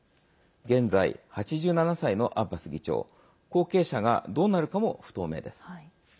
現在８７歳のアッバス議長後継者がどうなるかも不透明です。